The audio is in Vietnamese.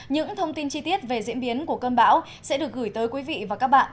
những thông tin chi tiết về diễn biến của cơn bão sẽ được gửi tới quý vị và các bạn